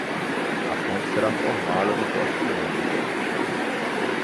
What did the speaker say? A ponte será reformada no próximo ano